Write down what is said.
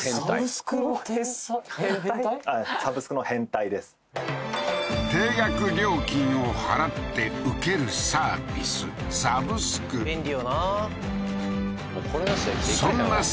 サブスクの変態です定額料金を払って受けるサービスサブスク便利よな